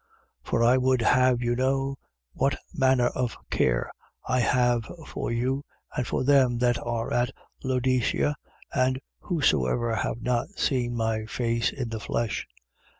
2:1. For I would have you know what manner of care I have for you and for them that are at Laodicea and whosoever have not seen my face in the flesh: 2:2.